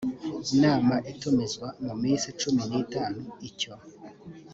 nama itumizwa mu minsi cumi n itanu icyo